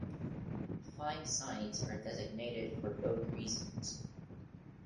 Five sites are designated for both reasons.